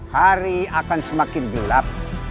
hari akan semakin gelap